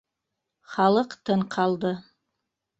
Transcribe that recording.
Халыҡ тын ҡалды